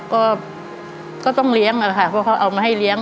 ก็ต้องเลี้ยงอะค่ะเพราะเขาเอามาให้เลี้ยง